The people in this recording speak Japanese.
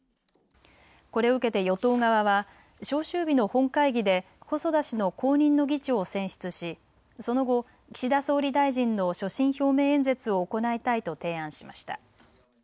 これを受けて与党側は召集日の本会議で細田氏の後任の議長を選出し、その後、岸田総理大臣の所信表明演説を行いたいと提案しました。